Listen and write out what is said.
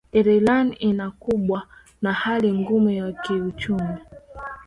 ireland inakubwa na hali ngumu ya kiuchumi